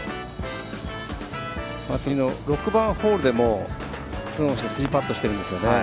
次の６番ホールでも２オンして３パットしてるんです。